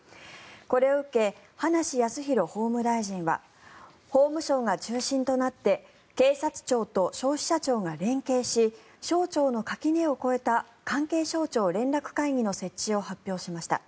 これを受け、葉梨康弘法務大臣は法務省が中心となって警察庁と消費者庁が連携し省庁の垣根を越えた関係省庁連絡会議の設置を発表しました。